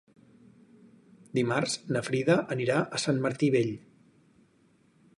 Dimarts na Frida anirà a Sant Martí Vell.